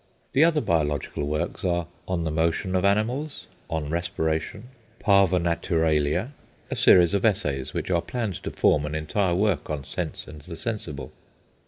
The other biological works are: "On the Motion of Animals;" "On Respiration;" "Parva Naturalia;" a series of essays which are planned to form an entire work on sense and the sensible.